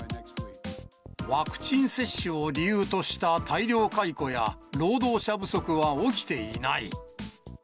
ワクチン接種を理由とした大量解雇や、労働者不足は起きていない。